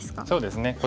そうですね